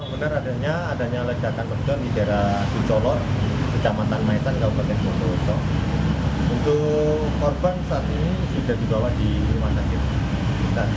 terima kasih untuk korban saat ini sudah dibawa di rumah sakit